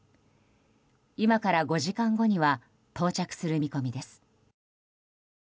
今から５時間後には到着する見込みです。